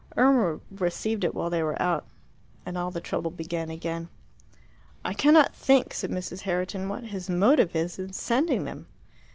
Irma received it while they were out, and all the trouble began again. "I cannot think," said Mrs. Herriton, "what his motive is in sending them."